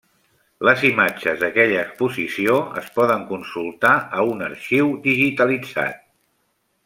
Les imatges d'aquella exposició es poden consultar a un arxiu digitalitzat.